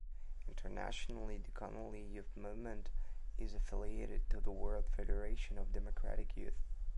Internationally the Connolly Youth Movement is affiliated to the World Federation of Democratic Youth.